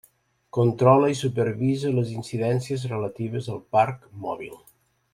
Controla i supervisa les incidències relatives al parc mòbil.